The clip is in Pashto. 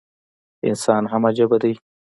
انسان هم عجيبه دی